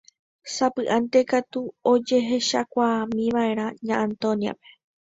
Sapy'ánte katu ojehechaukámiva'erã Ña Antonia-pe.